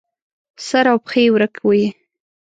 سر او پښې یې ورک وي.